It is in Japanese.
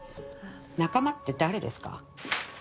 仲間って誰ですか？